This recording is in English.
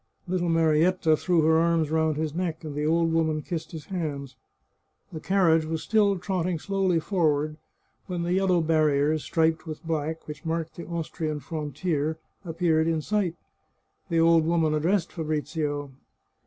Little Marietta threw her arms round his neck and the old woman kissed his hands. The carriage was still trot ting slowly forward, when the yellow barriers, striped with black, which marked the Austrian frontier, appeared in sight. The old woman addressed Fabrizio.